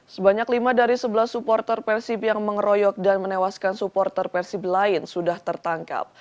sebanyak lima dari sebelas supporter persib yang mengeroyok dan menewaskan supporter persib lain sudah tertangkap